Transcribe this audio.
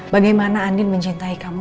bagaimana andin mencintai kamu